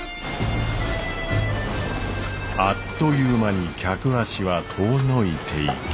あっという間に客足は遠のいていき。